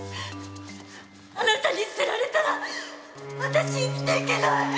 あなたに捨てられたら私生きていけない！